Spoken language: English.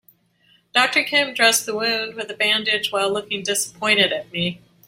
Doctor Kim dressed the wound with a bandage while looking disappointed at me.